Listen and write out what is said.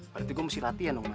berarti gua mesti latihan dong